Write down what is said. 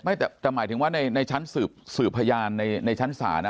ไม่แต่จะหมายถึงว่าในในชั้นสืบสืบพญานในในชั้นศาลน่ะ